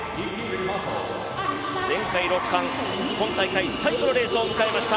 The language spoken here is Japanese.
前回６冠、今大会最後のレースを迎えました